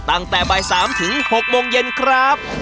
ตั้งแต่บ่าย๓ถึง๖โมงเย็นครับ